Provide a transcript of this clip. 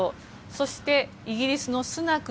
そして、イギリスのスナク